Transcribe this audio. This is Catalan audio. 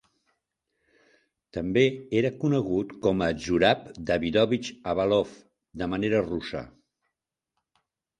També era conegut com a Zurab Davidovich Avalov de manera russa.